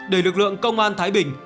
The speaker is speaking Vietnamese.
để lực lượng công an thái bình